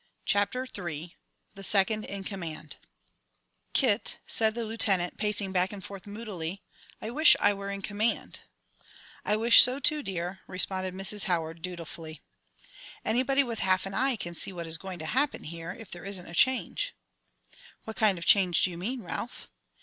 CHAPTER III THE SECOND IN COMMAND "Kit," said the Lieutenant, pacing back and forth moodily, "I wish I were in command." "I wish so, too, dear," responded Mrs. Howard, dutifully. "Anybody with half an eye can see what is going to happen here, if there isn't a change." "What change do you mean, Ralph?"